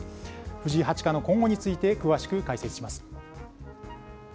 藤井八冠の今後について、詳しく解説します。